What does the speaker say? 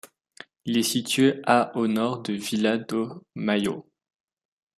Il est situé à au nord de Vila do Maio.